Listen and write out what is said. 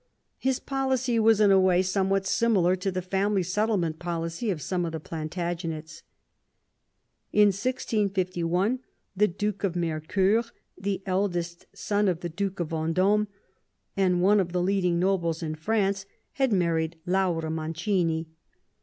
His policy was in a way somewhat similar to the family settlement policy of some of the Plantagenets. In 1651 the Duke of Mercosur, the eldest son of the Duke of Venddme, and one of the leading nobles in France, had married Laura Mancini.